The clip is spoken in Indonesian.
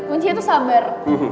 kunci itu sabar